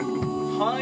はい！